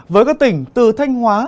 với các tỉnh từ thanh hóa